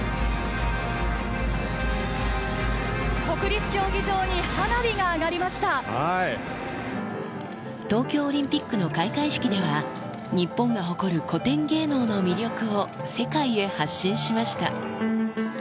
国立競技場に花火が上がりま東京オリンピックの開会式では、日本が誇る古典芸能の魅力を、世界へ発信しました。